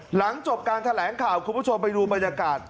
หลังจบการแถลงข่าวคุณผู้ชมไปดูบรรยากาศ